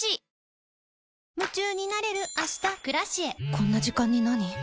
こんな時間になに？